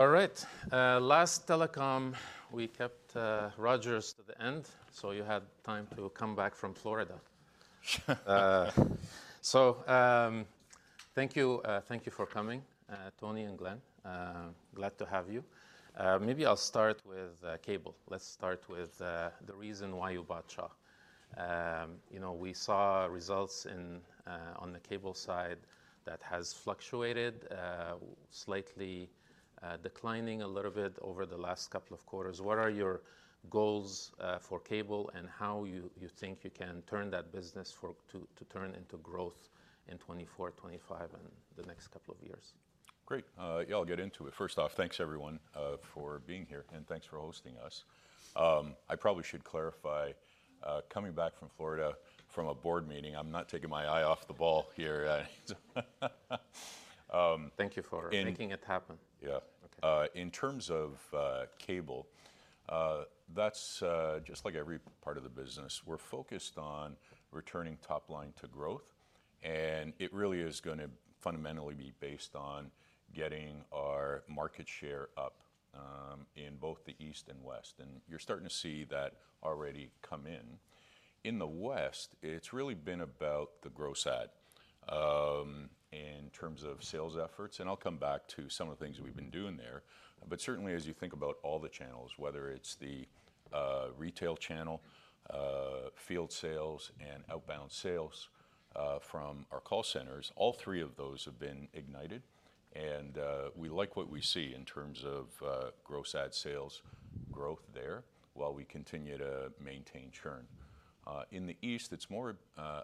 All right, last telecom we kept Rogers to the end, so you had time to come back from Florida. So thank you for coming, Tony and Glenn. Glad to have you. Maybe I'll start with cable. Let's start with the reason why you bought Shaw. We saw results on the cable side that has fluctuated, slightly declining a little bit over the last couple of quarters. What are your goals for cable and how you think you can turn that business to turn into growth in 2024, 2025, and the next couple of years? Great. Yeah, I'll get into it. First off, thanks everyone for being here, and thanks for hosting us. I probably should clarify, coming back from Florida from a board meeting, I'm not taking my eye off the ball here. Thank you for making it happen. Yeah. In terms of cable, that's just like every part of the business. We're focused on returning top line to growth, and it really is going to fundamentally be based on getting our market share up in both the East and West, and you're starting to see that already come in. In the West, it's really been about the gross adds in terms of sales efforts, and I'll come back to some of the things we've been doing there. But certainly, as you think about all the channels, whether it's the retail channel, field sales, and outbound sales from our call centers, all three of those have been ignited, and we like what we see in terms of gross adds sales growth there while we continue to maintain churn. In the East, it's more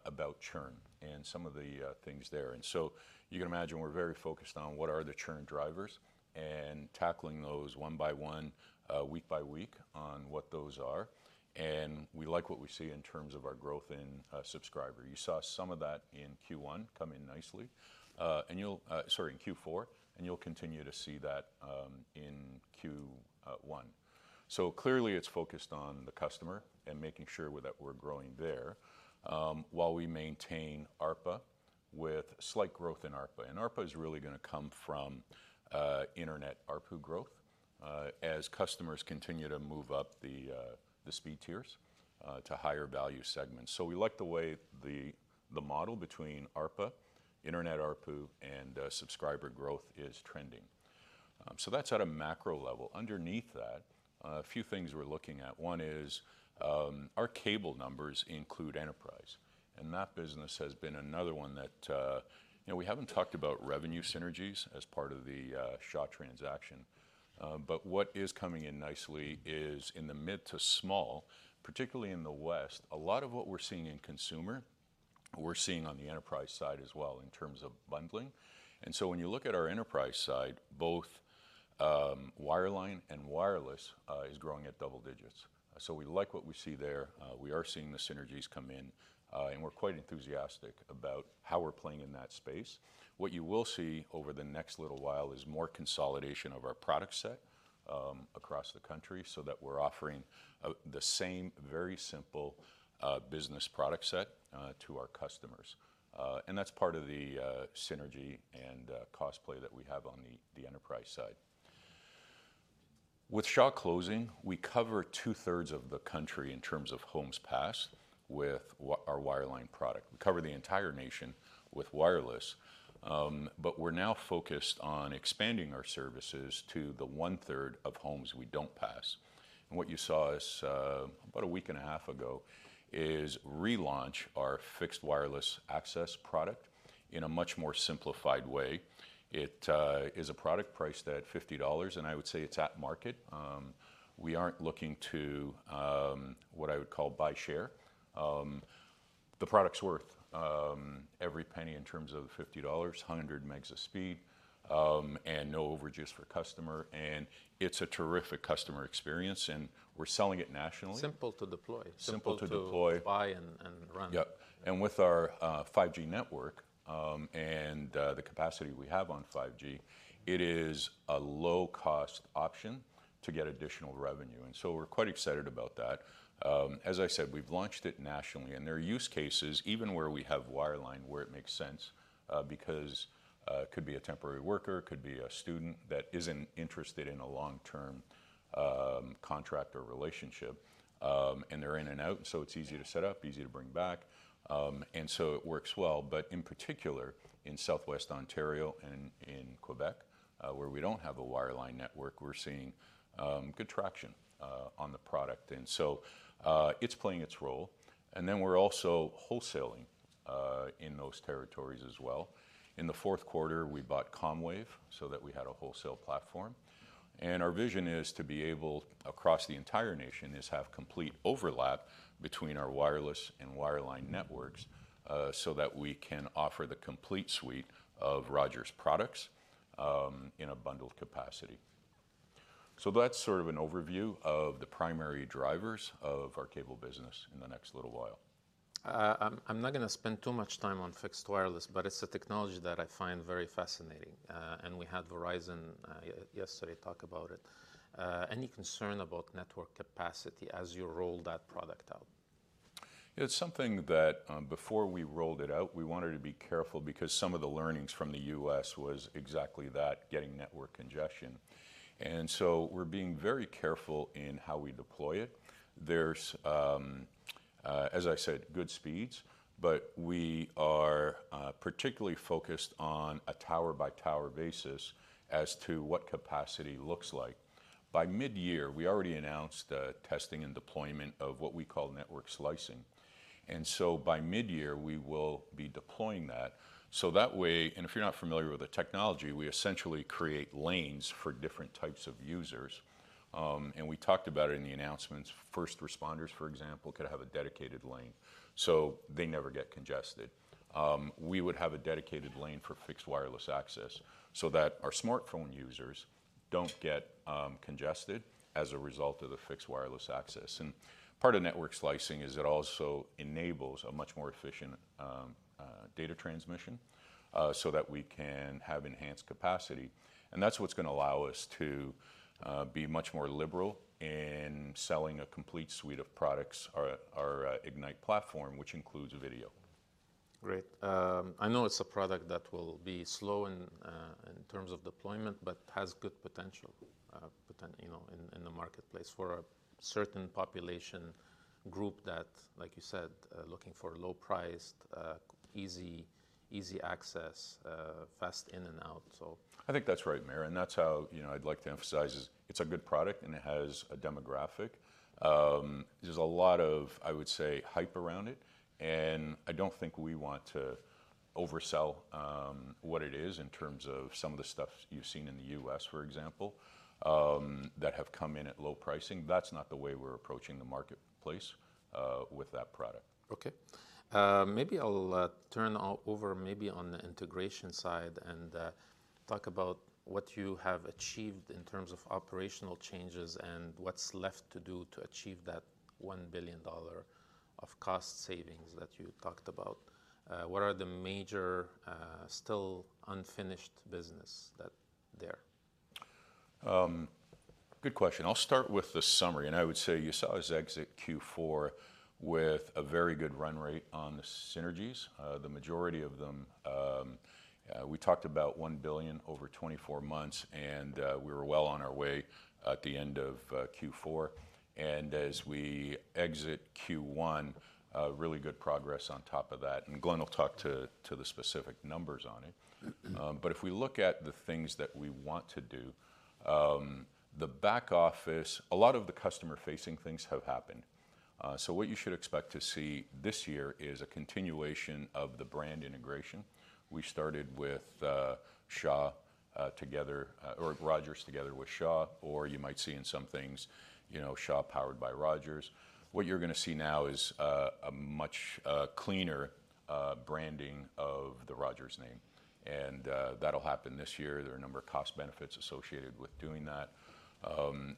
about churn and some of the things there. And so you can imagine we're very focused on what are the churn drivers and tackling those one by one, week by week, on what those are. And we like what we see in terms of our growth in subscriber. You saw some of that in Q1 come in nicely, and you'll sorry, in Q4, and you'll continue to see that in Q1. So clearly, it's focused on the customer and making sure that we're growing there while we maintain ARPA with slight growth in ARPA. And ARPA is really going to come from internet ARPU growth as customers continue to move up the speed tiers to higher value segments. So we like the way the model between ARPA, internet ARPU, and subscriber growth is trending. So that's at a macro level. Underneath that, a few things we're looking at. One is our cable numbers include enterprise, and that business has been another one that we haven't talked about revenue synergies as part of the Shaw transaction. But what is coming in nicely is in the mid to small, particularly in the West, a lot of what we're seeing in consumer, we're seeing on the enterprise side as well in terms of bundling. And so when you look at our enterprise side, both wireline and wireless is growing at double digits. So we like what we see there. We are seeing the synergies come in, and we're quite enthusiastic about how we're playing in that space. What you will see over the next little while is more consolidation of our product set across the country so that we're offering the same very simple business product set to our customers. That's part of the synergy and cost savings that we have on the enterprise side. With Shaw closing, we cover two-thirds of the country in terms of homes passed with our wireline product. We cover the entire nation with wireless, but we're now focused on expanding our services to the one-third of homes we don't pass. What you saw us about a week and a half ago is relaunch our fixed wireless access product in a much more simplified way. It is a product priced at 50 dollars, and I would say it's at market. We aren't looking to what I would call buy share. The product's worth every penny in terms of the 50 dollars, 100 megs of speed, and no overages for customer, and it's a terrific customer experience, and we're selling it nationally. Simple to deploy. Simple to deploy. Simple to buy and run. Yep. And with our 5G network and the capacity we have on 5G, it is a low-cost option to get additional revenue, and so we're quite excited about that. As I said, we've launched it nationally, and there are use cases, even where we have wireline, where it makes sense because it could be a temporary worker, could be a student that isn't interested in a long-term contract or relationship, and they're in and out, and so it's easy to set up, easy to bring back, and so it works well. But in particular, in Southwestern Ontario and in Quebec, where we don't have a wireline network, we're seeing good traction on the product, and so it's playing its role. And then we're also wholesaling in those territories as well. In the fourth quarter, we bought Comwave so that we had a wholesale platform, and our vision is to be able, across the entire nation, is to have complete overlap between our wireless and wireline networks so that we can offer the complete suite of Rogers products in a bundled capacity. So that's sort of an overview of the primary drivers of our cable business in the next little while. I'm not going to spend too much time on fixed wireless, but it's a technology that I find very fascinating, and we had Verizon yesterday talk about it. Any concern about network capacity as you roll that product out? Yeah, it's something that before we rolled it out, we wanted to be careful because some of the learnings from the U.S. was exactly that, getting network congestion. And so we're being very careful in how we deploy it. There's, as I said, good speeds, but we are particularly focused on a tower-by-tower basis as to what capacity looks like. By mid-year, we already announced testing and deployment of what we call network slicing, and so by mid-year, we will be deploying that. So that way, and if you're not familiar with the technology, we essentially create lanes for different types of users, and we talked about it in the announcements. First responders, for example, could have a dedicated lane so they never get congested. We would have a dedicated lane for fixed wireless access so that our smartphone users don't get congested as a result of the fixed wireless access. And part of network slicing is it also enables a much more efficient data transmission so that we can have enhanced capacity, and that's what's going to allow us to be much more liberal in selling a complete suite of products, our Ignite platform, which includes video. Great. I know it's a product that will be slow in terms of deployment but has good potential in the marketplace for a certain population group that, like you said, looking for low-priced, easy access, fast in and out, so. I think that's right, Maher, and that's how I'd like to emphasize is it's a good product, and it has a demographic. There's a lot of, I would say, hype around it, and I don't think we want to oversell what it is in terms of some of the stuff you've seen in the U.S., for example, that have come in at low pricing. That's not the way we're approaching the marketplace with that product. Okay. Maybe I'll turn over maybe on the integration side and talk about what you have achieved in terms of operational changes and what's left to do to achieve that 1 billion dollar of cost savings that you talked about. What are the major still unfinished businesses there? Good question. I'll start with the summary, and I would say you saw us exit Q4 with a very good run rate on the synergies. The majority of them, we talked about 1 billion over 24 months, and we were well on our way at the end of Q4. As we exit Q1, really good progress on top of that, and Glenn will talk to the specific numbers on it. But if we look at the things that we want to do, the back office, a lot of the customer-facing things have happened. So what you should expect to see this year is a continuation of the brand integration. We started with Shaw together or Rogers together with Shaw, or you might see in some things Shaw powered by Rogers. What you're going to see now is a much cleaner branding of the Rogers name, and that'll happen this year. There are a number of cost benefits associated with doing that,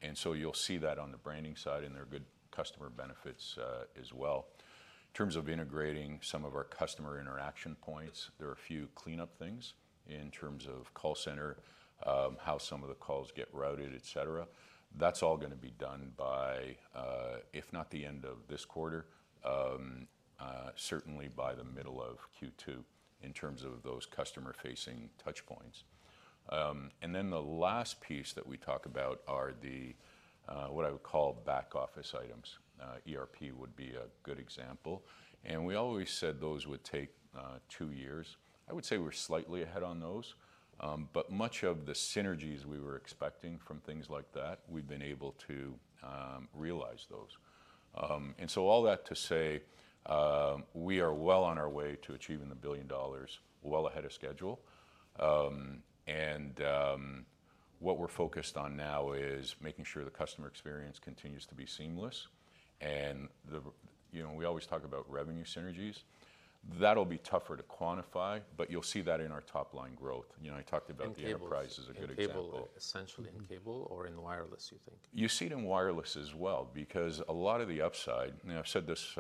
and so you'll see that on the branding side, and there are good customer benefits as well. In terms of integrating some of our customer interaction points, there are a few cleanup things in terms of call center, how some of the calls get routed, etc. That's all going to be done by, if not the end of this quarter, certainly by the middle of Q2 in terms of those customer-facing touchpoints. And then the last piece that we talk about are what I would call back office items. ERP would be a good example, and we always said those would take two years. I would say we're slightly ahead on those, but much of the synergies we were expecting from things like that, we've been able to realize those. So all that to say, we are well on our way to achieving 1 billion dollars, well ahead of schedule, and what we're focused on now is making sure the customer experience continues to be seamless. We always talk about revenue synergies. That'll be tougher to quantify, but you'll see that in our top line growth. I talked about the enterprise as a good example. In cable, essentially in cable, or in wireless, you think? You see it in wireless as well because a lot of the upside and I've said this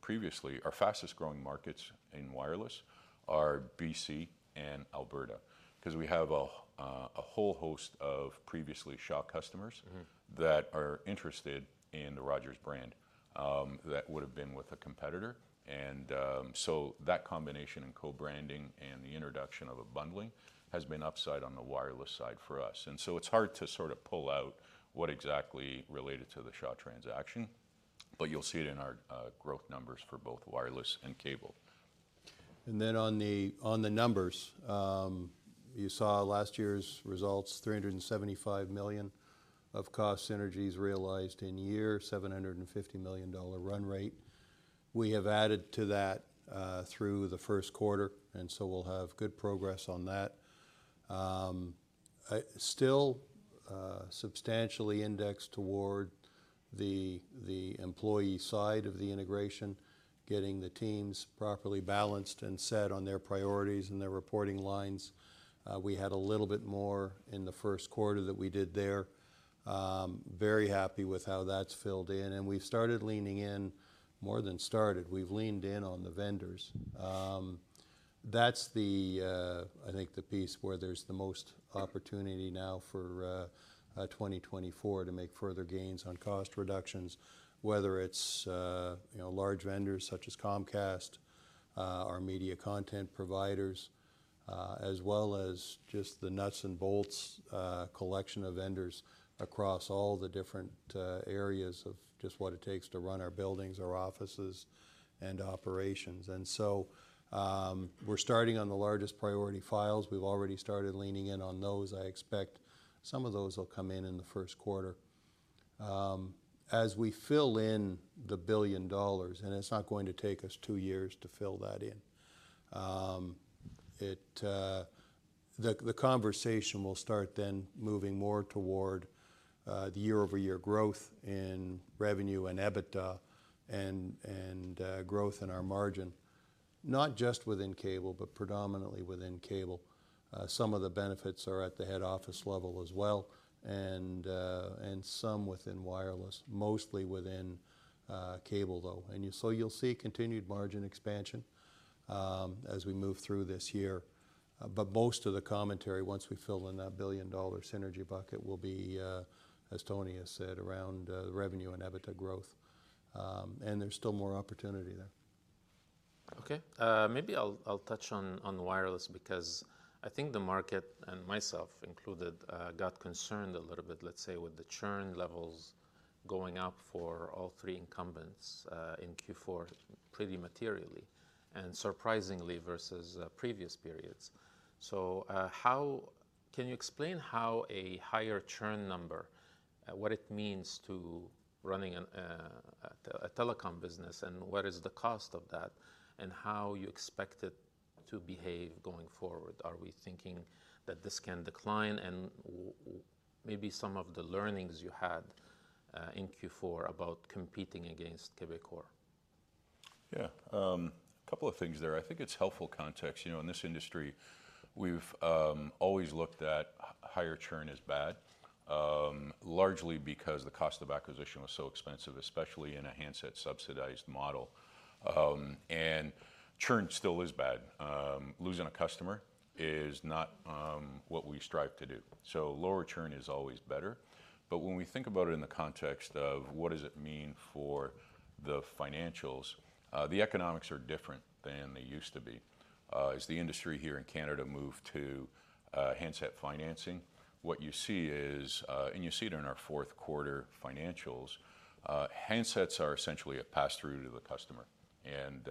previously, our fastest growing markets in wireless are BC and Alberta because we have a whole host of previously Shaw customers that are interested in the Rogers brand that would have been with a competitor. That combination and co-branding and the introduction of a bundling has been upside on the wireless side for us, and so it's hard to sort of pull out what exactly related to the Shaw transaction, but you'll see it in our growth numbers for both wireless and cable. And then on the numbers, you saw last year's results, 375 million of cost synergies realized in year, 750 million dollar run rate. We have added to that through the first quarter, and so we'll have good progress on that. Still substantially indexed toward the employee side of the integration, getting the teams properly balanced and set on their priorities and their reporting lines. We had a little bit more in the first quarter that we did there. Very happy with how that's filled in, and we've started leaning in more than started. We've leaned in on the vendors. That's the, I think, the piece where there's the most opportunity now for 2024 to make further gains on cost reductions, whether it's large vendors such as Comcast, our media content providers, as well as just the nuts and bolts collection of vendors across all the different areas of just what it takes to run our buildings, our offices, and operations. And so we're starting on the largest priority files. We've already started leaning in on those. I expect some of those will come in in the first quarter. As we fill in the 1 billion dollars, and it's not going to take us two years to fill that in, the conversation will start then moving more toward the year-over-year growth in revenue and EBITDA and growth in our margin, not just within cable but predominantly within cable. Some of the benefits are at the head office level as well and some within wireless, mostly within cable, though. So you'll see continued margin expansion as we move through this year, but most of the commentary, once we fill in that 1 billion dollar synergy bucket, will be, as Tony has said, around revenue and EBITDA growth, and there's still more opportunity there. Okay. Maybe I'll touch on wireless because I think the market and myself included got concerned a little bit, let's say, with the churn levels going up for all three incumbents in Q4 pretty materially and surprisingly versus previous periods. So can you explain how a higher churn number, what it means to running a telecom business, and what is the cost of that, and how you expect it to behave going forward? Are we thinking that this can decline? Maybe some of the learnings you had in Q4 about competing against Quebecor. Yeah. A couple of things there. I think it's helpful context. In this industry, we've always looked that higher churn is bad, largely because the cost of acquisition was so expensive, especially in a handset-subsidized model, and churn still is bad. Losing a customer is not what we strive to do, so lower churn is always better. But when we think about it in the context of what does it mean for the financials, the economics are different than they used to be. Has the industry here in Canada moved to handset financing? What you see is, and you see it in our fourth quarter financials, handsets are essentially a pass-through to the customer, and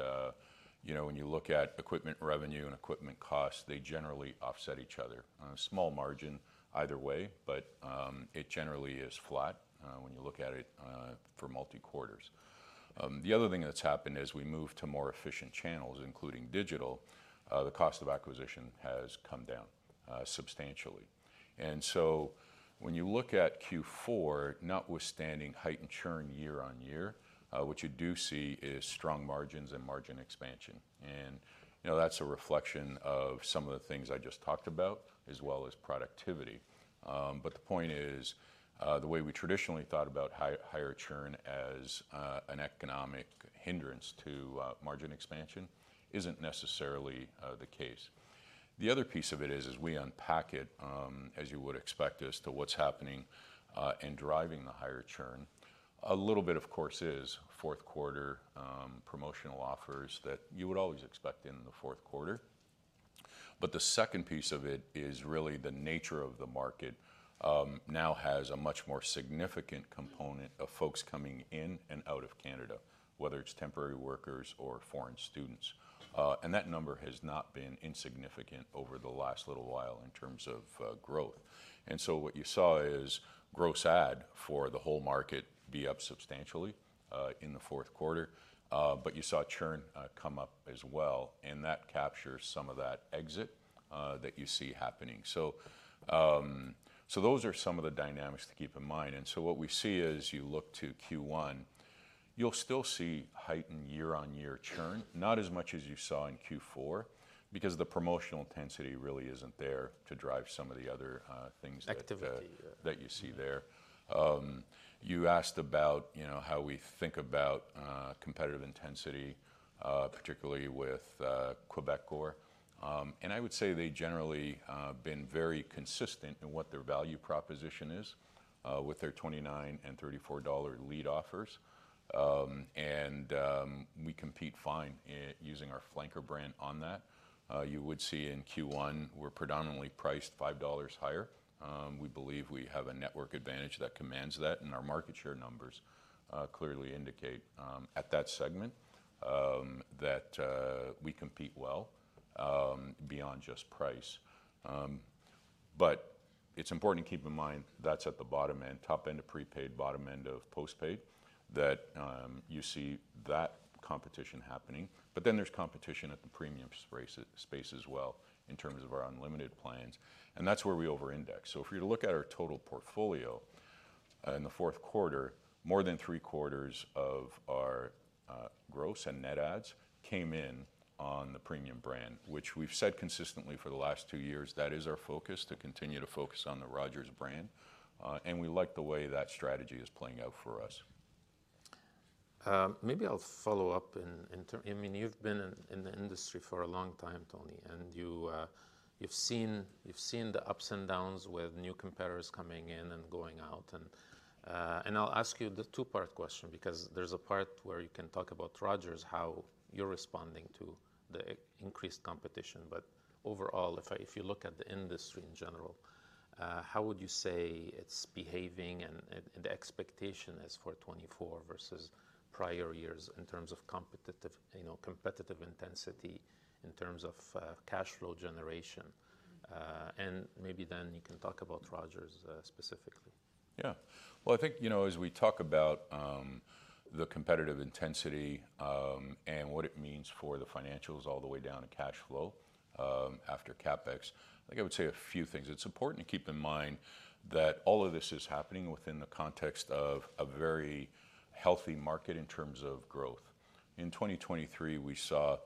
when you look at equipment revenue and equipment costs, they generally offset each other on a small margin either way, but it generally is flat when you look at it for multi-quarters. The other thing that's happened is we moved to more efficient channels, including digital. The cost of acquisition has come down substantially, and so when you look at Q4, notwithstanding heightened churn year-on-year, what you do see is strong margins and margin expansion, and that's a reflection of some of the things I just talked about as well as productivity. But the point is the way we traditionally thought about higher churn as an economic hindrance to margin expansion isn't necessarily the case. The other piece of it is, as we unpack it, as you would expect as to what's happening and driving the higher churn, a little bit, of course, is fourth quarter promotional offers that you would always expect in the fourth quarter. But the second piece of it is really the nature of the market now has a much more significant component of folks coming in and out of Canada, whether it's temporary workers or foreign students, and that number has not been insignificant over the last little while in terms of growth. And so what you saw is gross add for the whole market be up substantially in the fourth quarter, but you saw churn come up as well, and that captures some of that exit that you see happening. So those are some of the dynamics to keep in mind, and so what we see is you look to Q1, you'll still see heightened year-on-year churn, not as much as you saw in Q4 because the promotional intensity really isn't there to drive some of the other things that you see there. You asked about how we think about competitive intensity, particularly with Quebecor, and I would say they generally have been very consistent in what their value proposition is with their 29 and 34 dollar lead offers, and we compete fine using our flanker brand on that. You would see in Q1 we're predominantly priced 5 dollars higher. We believe we have a network advantage that commands that, and our market share numbers clearly indicate at that segment that we compete well beyond just price. But it's important to keep in mind that's at the bottom end, top end of prepaid, bottom end of postpaid, that you see that competition happening. But then there's competition at the premium space as well in terms of our unlimited plans, and that's where we over-index. So if you're to look at our total portfolio in the fourth quarter, more than three quarters of our gross and net adds came in on the premium brand, which we've said consistently for the last two years. That is our focus, to continue to focus on the Rogers brand, and we like the way that strategy is playing out for us. Maybe I'll follow up in terms—I mean, you've been in the industry for a long time, Tony, and you've seen the ups and downs with new competitors coming in and going out. I'll ask you the two-part question because there's a part where you can talk about Rogers, how you're responding to the increased competition. But overall, if you look at the industry in general, how would you say it's behaving and the expectation as for 2024 versus prior years in terms of competitive intensity, in terms of cash flow generation? And maybe then you can talk about Rogers specifically. Yeah. Well, I think as we talk about the competitive intensity and what it means for the financials all the way down to cash flow after CapEx, I think I would say a few things. It's important to keep in mind that all of this is happening within the context of a very healthy market in terms of growth. In 2023, we saw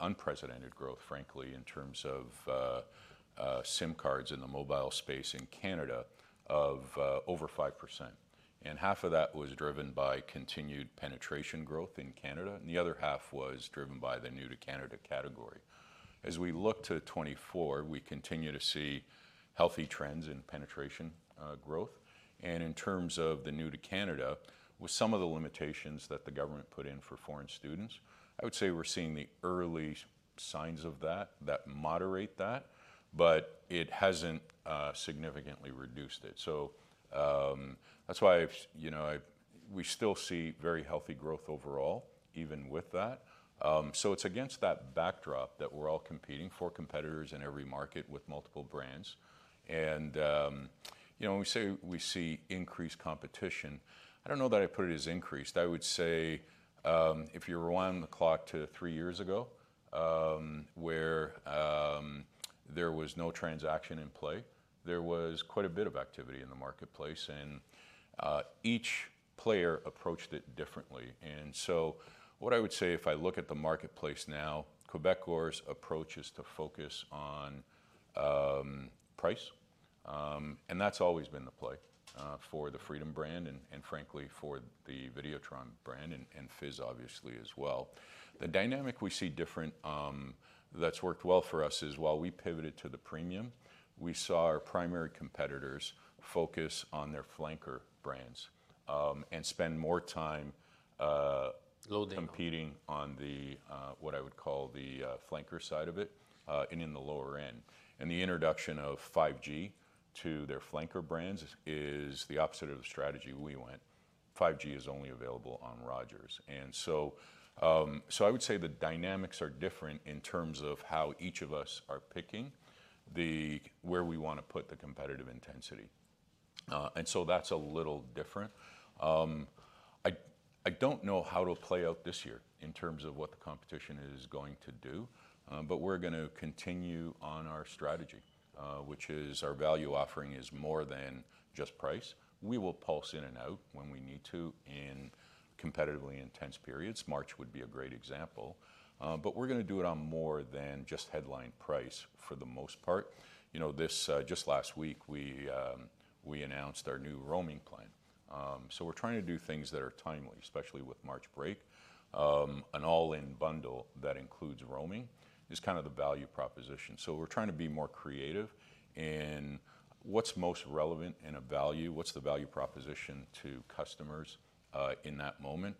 unprecedented growth, frankly, in terms of SIM cards in the mobile space in Canada of over 5%, and half of that was driven by continued penetration growth in Canada, and the other half was driven by the new-to-Canada category. As we look to 2024, we continue to see healthy trends in penetration growth, and in terms of the new-to-Canada, with some of the limitations that the government put in for foreign students, I would say we're seeing the early signs of that that moderate that, but it hasn't significantly reduced it. So that's why we still see very healthy growth overall, even with that. So it's against that backdrop that we're all competing for competitors in every market with multiple brands, and when we say we see increased competition, I don't know that I'd put it as increased. I would say if you rewind the clock to three years ago where there was no transaction in play, there was quite a bit of activity in the marketplace, and each player approached it differently. So what I would say if I look at the marketplace now, Quebecor's approach is to focus on price, and that's always been the play for the Freedom brand and, frankly, for the Videotron brand and Fizz, obviously, as well. The dynamic we see different that's worked well for us is while we pivoted to the premium, we saw our primary competitors focus on their flanker brands and spend more time competing on what I would call the flanker side of it and in the lower end. The introduction of 5G to their flanker brands is the opposite of the strategy we went. 5G is only available on Rogers, and so I would say the dynamics are different in terms of how each of us are picking where we want to put the competitive intensity, and so that's a little different. I don't know how to play out this year in terms of what the competition is going to do, but we're going to continue on our strategy, which is our value offering is more than just price. We will pulse in and out when we need to in competitively intense periods. March would be a great example, but we're going to do it on more than just headline price for the most part. Just last week, we announced our new roaming plan, so we're trying to do things that are timely, especially with March break. An all-in bundle that includes roaming is kind of the value proposition, so we're trying to be more creative in what's most relevant in a value, what's the value proposition to customers in that moment.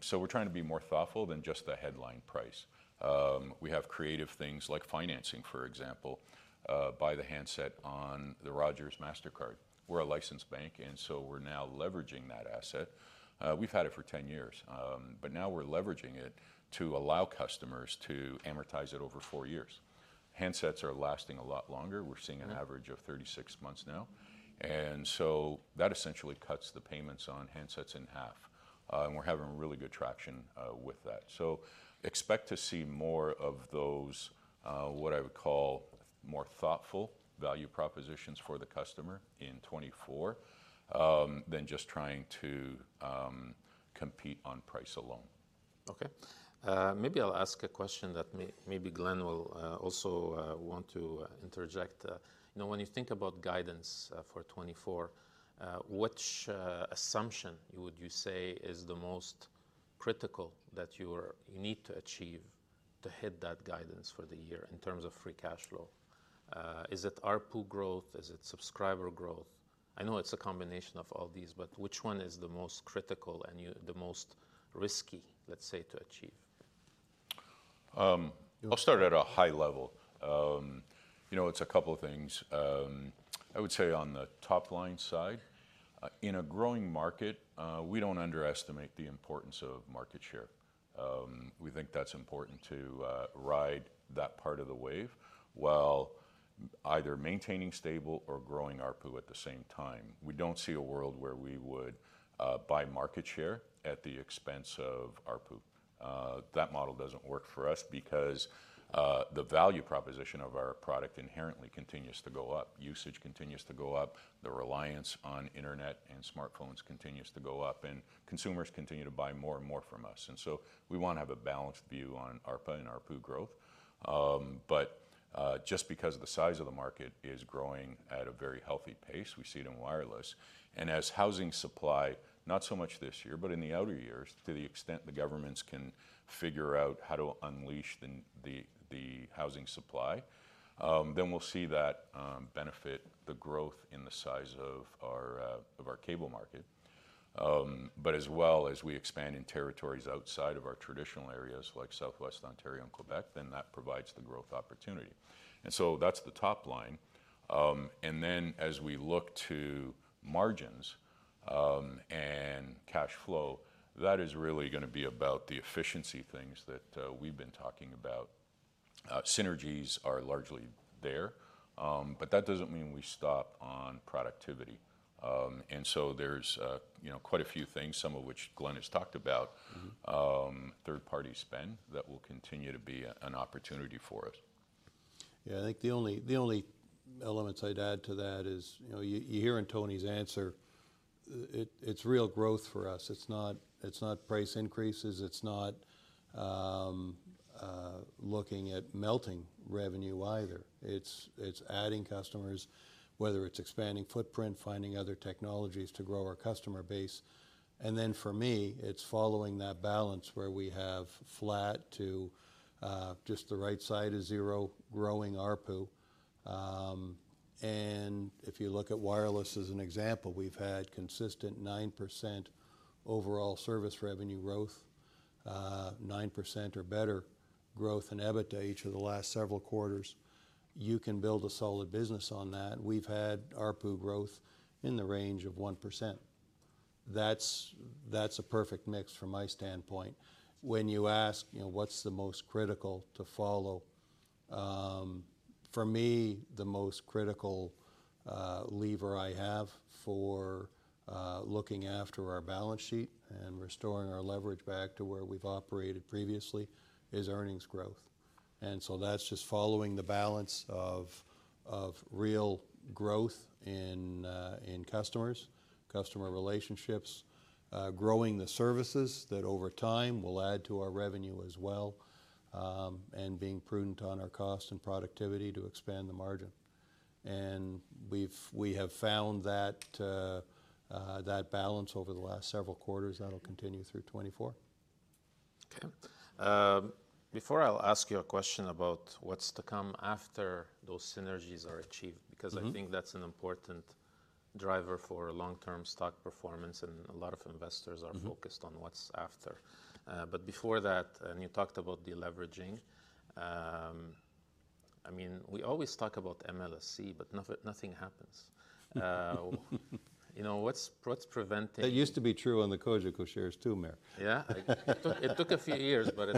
So we're trying to be more thoughtful than just the headline price. We have creative things like financing, for example, by the handset on the Rogers Mastercard. We're a licensed bank, and so we're now leveraging that asset. We've had it for 10 years, but now we're leveraging it to allow customers to amortize it over four years. Handsets are lasting a lot longer. We're seeing an average of 36 months now, and so that essentially cuts the payments on handsets in half, and we're having really good traction with that. So expect to see more of those, what I would call, more thoughtful value propositions for the customer in 2024 than just trying to compete on price alone. Okay. Maybe I'll ask a question that maybe Glenn will also want to interject. When you think about guidance for 2024, which assumption would you say is the most critical that you need to achieve to hit that guidance for the year in terms of free cash flow? Is it RPU growth? Is it subscriber growth? I know it's a combination of all these, but which one is the most critical and the most risky, let's say, to achieve? I'll start at a high level. It's a couple of things. I would say on the top-line side, in a growing market, we don't underestimate the importance of market share. We think that's important to ride that part of the wave while either maintaining stable or growing RPU at the same time. We don't see a world where we would buy market share at the expense of RPU. That model doesn't work for us because the value proposition of our product inherently continues to go up. Usage continues to go up. The reliance on internet and smartphones continues to go up, and consumers continue to buy more and more from us. And so we want to have a balanced view on ARPA and ARPU growth, but just because the size of the market is growing at a very healthy pace, we see it in wireless, and as housing supply, not so much this year but in the outer years, to the extent the governments can figure out how to unleash the housing supply, then we'll see that benefit the growth in the size of our cable market. But as well as we expand in territories outside of our traditional areas like Southwestern Ontario and Quebec, then that provides the growth opportunity. And so that's the top line, and then as we look to margins and cash flow, that is really going to be about the efficiency things that we've been talking about. Synergies are largely there, but that doesn't mean we stop on productivity, and so there's quite a few things, some of which Glenn has talked about, third-party spend that will continue to be an opportunity for us. Yeah. I think the only elements I'd add to that is you hear in Tony's answer, it's real growth for us. It's not price increases. It's not looking at melting revenue either. It's adding customers, whether it's expanding footprint, finding other technologies to grow our customer base, and then for me, it's following that balance where we have flat to just the right side of zero growing RPU. And if you look at wireless as an example, we've had consistent 9% overall service revenue growth, 9% or better growth in EBITDA each of the last several quarters. You can build a solid business on that. We've had RPU growth in the range of 1%. That's a perfect mix from my standpoint. When you ask what's the most critical to follow, for me, the most critical lever I have for looking after our balance sheet and restoring our leverage back to where we've operated previously is earnings growth, and so that's just following the balance of real growth in customers, customer relationships, growing the services that over time will add to our revenue as well, and being prudent on our cost and productivity to expand the margin. We have found that balance over the last several quarters that'll continue through 2024. Okay. Before I'll ask you a question about what's to come after those synergies are achieved because I think that's an important driver for long-term stock performance, and a lot of investors are focused on what's after. But before that, and you talked about the leveraging, I mean, we always talk about MLSE, but nothing happens. What's preventing? That used to be true on the Cogeco shares too, Maher. Yeah. It took a few years, but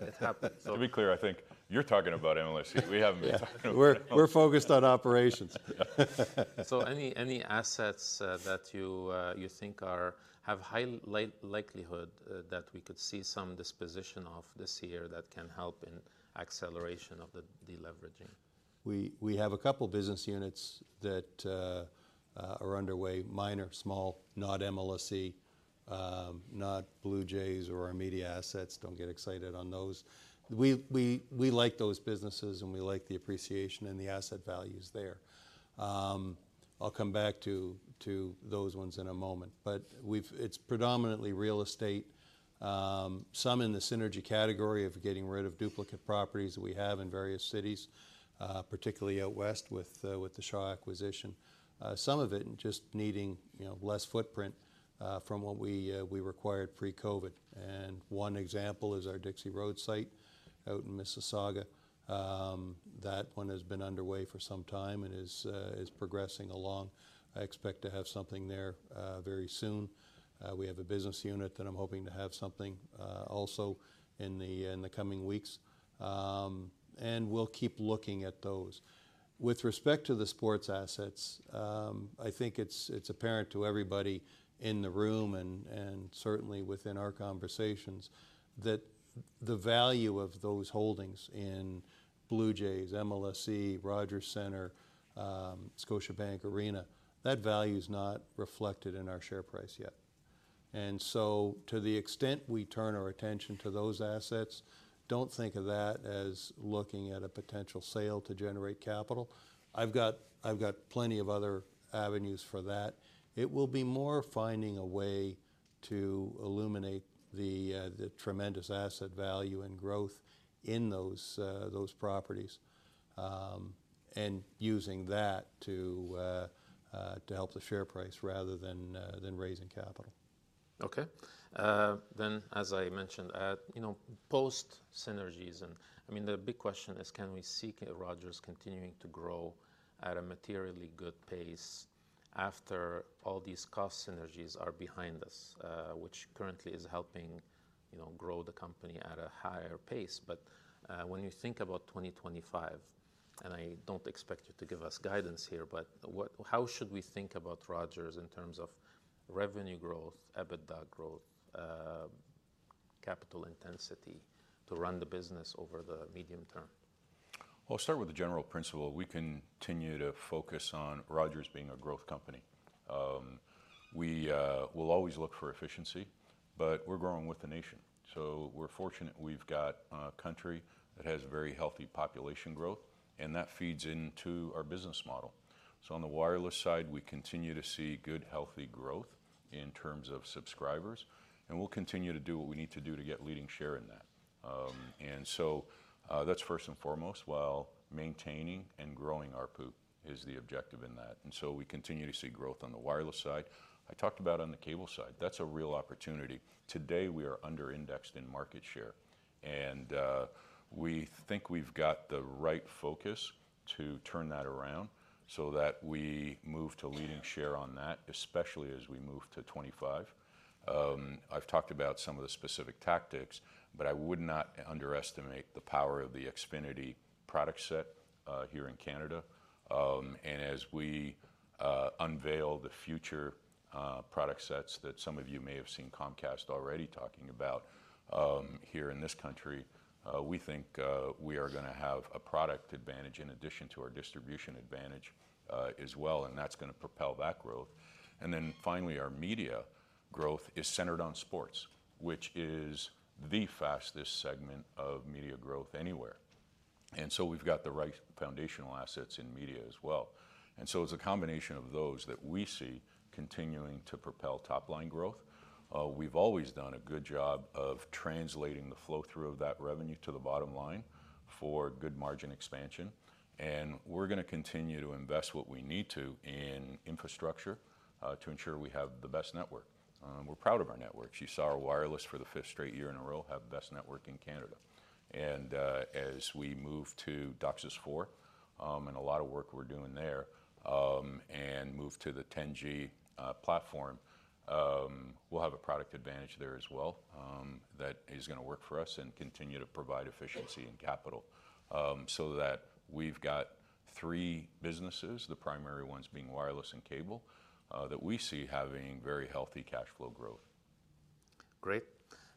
it happened, so. To be clear, I think you're talking about MLSE. We haven't been talking about that. We're focused on operations. Any assets that you think have high likelihood that we could see some disposition of this year that can help in acceleration of the deleveraging? We have a couple of business units that are underway, minor, small, not MLSE, not Blue Jays or our media assets. Don't get excited on those. We like those businesses, and we like the appreciation and the asset values there. I'll come back to those ones in a moment, but it's predominantly real estate, some in the synergy category of getting rid of duplicate properties that we have in various cities, particularly out west with the Shaw acquisition, some of it just needing less footprint from what we required pre-COVID. One example is our Dixie Road site out in Mississauga. That one has been underway for some time and is progressing along. I expect to have something there very soon. We have a business unit that I'm hoping to have something also in the coming weeks, and we'll keep looking at those. With respect to the sports assets, I think it's apparent to everybody in the room and certainly within our conversations that the value of those holdings in Blue Jays, MLSE, Rogers Centre, Scotiabank Arena, that value's not reflected in our share price yet. So to the extent we turn our attention to those assets, don't think of that as looking at a potential sale to generate capital. I've got plenty of other avenues for that. It will be more finding a way to illuminate the tremendous asset value and growth in those properties and using that to help the share price rather than raising capital. Okay. Then, as I mentioned, post-synergies, and I mean, the big question is can we see Rogers continuing to grow at a materially good pace after all these cost synergies are behind us, which currently is helping grow the company at a higher pace? But when you think about 2025, and I don't expect you to give us guidance here, but how should we think about Rogers in terms of revenue growth, EBITDA growth, capital intensity to run the business over the medium term? Well, I'll start with the general principle. We continue to focus on Rogers being a growth company. We will always look for efficiency, but we're growing with the nation, so we're fortunate we've got a country that has very healthy population growth, and that feeds into our business model. So on the wireless side, we continue to see good, healthy growth in terms of subscribers, and we'll continue to do what we need to do to get leading share in that. And so that's first and foremost while maintaining and growing RPU is the objective in that, and so we continue to see growth on the wireless side. I talked about on the cable side. That's a real opportunity. Today, we are underindexed in market share, and we think we've got the right focus to turn that around so that we move to leading share on that, especially as we move to 2025. I've talked about some of the specific tactics, but I would not underestimate the power of the Xfinity product set here in Canada. And as we unveil the future product sets that some of you may have seen Comcast already talking about here in this country, we think we are going to have a product advantage in addition to our distribution advantage as well, and that's going to propel that growth. And then finally, our media growth is centered on sports, which is the fastest segment of media growth anywhere, and so we've got the right foundational assets in media as well. So it's a combination of those that we see continuing to propel top-line growth. We've always done a good job of translating the flow-through of that revenue to the bottom line for good margin expansion, and we're going to continue to invest what we need to in infrastructure to ensure we have the best network. We're proud of our network. You saw our wireless for the fifth straight year in a row have best network in Canada. As we move to DOCSIS 4 and a lot of work we're doing there and move to the 10G platform, we'll have a product advantage there as well that is going to work for us and continue to provide efficiency and capital so that we've got three businesses, the primary ones being wireless and cable, that we see having very healthy cash flow growth. Great.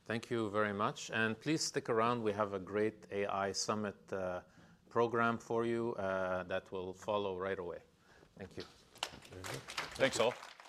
Thank you very much, and please stick around. We have a great AI Summit program for you that will follow right away. Thank you. Thanks, all.